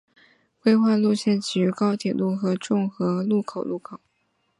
规划路线起于高铁路和重和路口路口。